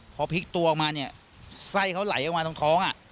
พอพลิกตัวออกมาเนี่ยไส้เขาไหลออกมาตรงท้อง